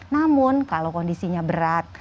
namun kalau kondisinya berat